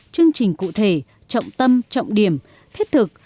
chương trình cụ thể trọng tâm trọng điểm thiết thực